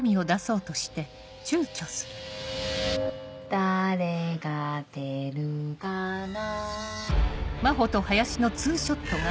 誰がでるかな